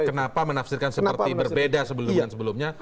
kenapa menafsirkan seperti berbeda sebelumnya